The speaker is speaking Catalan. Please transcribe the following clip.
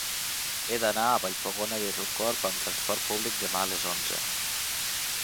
He d'anar a Vallfogona de Riucorb amb trasport públic demà a les onze.